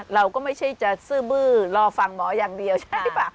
เราก็ไม่ใช่จะซื่อบื้อรอฟังหมออย่างเดียวใช่ป่ะ